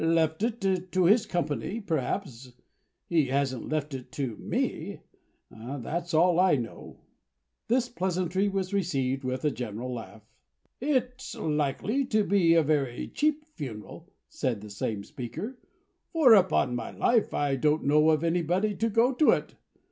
"Left it to his company, perhaps. He hasn't left it to me. That's all I know." This pleasantry was received with a general laugh. "It's likely to be a very cheap funeral," said the same speaker; "for upon my life I don't know of anybody to go to it.